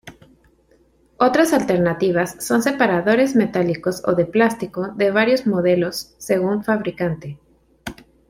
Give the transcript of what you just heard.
Otras alternativas son separadores metálicos o de plástico de varios modelos según fabricante.